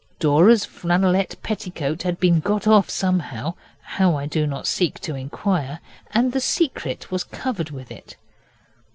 Dora's flannelette petticoat had been got off somehow how I do not seek to inquire and the Secret was covered with it.